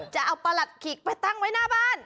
จะเอาประหลักขีดไปตั้งไว้หน้าบ้าน